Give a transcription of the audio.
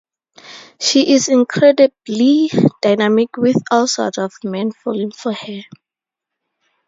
She is incredibly dynamic, with all sorts of men falling for her.